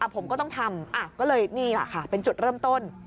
ผมก็ต้องทำก็เลยนี่แหละค่ะเป็นจุดเริ่มต้น